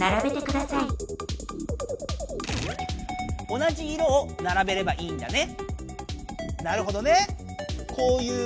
同じ色をならべればいいんだね。